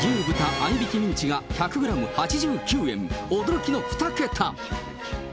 合いびきミンチが１００グラム８９円、驚きの２桁。